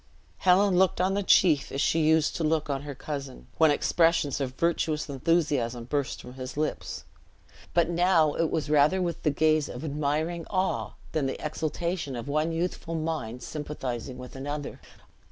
Helen looked on the chief as she used to look on her cousin, when expressions of virtuous enthusiasm burst from his lips; but now it was rather with the gaze of admiring awe than the exhultation of one youthful mind sympathizing with another.